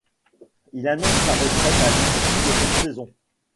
Il annonce sa retraite à l'issue de cette saison.